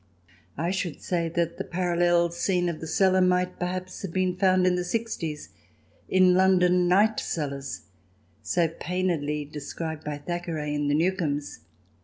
I should say that the parallel of the scene in the cellar might perhaps have been found in the 'sixties in London night cellars, so painedly described by Thackeray in "The New comes."